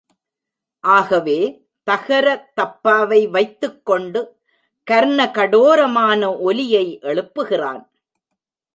ஆகவே, தகர தப்பாவை வைத்துக் கொண்டு கர்ணகடோரமான ஒலியை எழுப்புகிறான்.